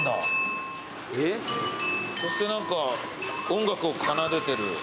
そして何か音楽を奏でてる。